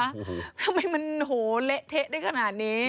ทำไมมันโหเละเทะได้ขนาดนี้